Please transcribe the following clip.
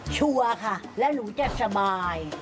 ชัวร์ค่ะและหนูจะสบาย